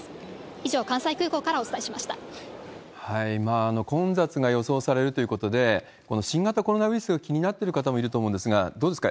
以上、関西空港からお伝えしまし混雑が予想されるということで、この新型コロナウイルスが気になってる方もいると思うんですが、どうですか？